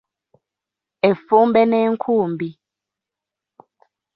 Effumbe n'enkumbi.